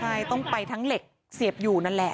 ใช่ต้องไปทั้งเหล็กเสียบอยู่นั่นแหละ